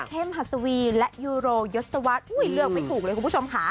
เข้มฮาสวีและยูโรยสวรรค์อุ้ยเลือกไม่ถูกเลยคุณผู้ชมค่ะ